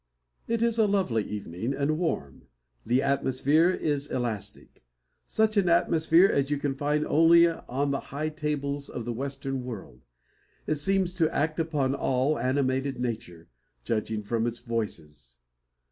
It is a lovely evening, and warm. The atmosphere is elastic; such an atmosphere as you can find only on the high tables of the western world. It seems to act upon all animated nature, judging from its voices.